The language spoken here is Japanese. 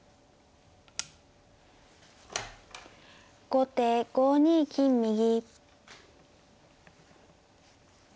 後手５二金右。